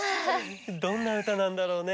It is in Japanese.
どんなうたなんだろうね？